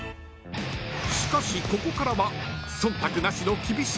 ［しかしここからは］